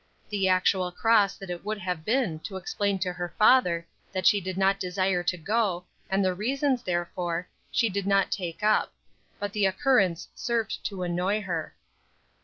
The actual cross that it would have been to explain to her father that she did not desire to go, and the reasons therefor, she did not take up; but the occurrence served to annoy her.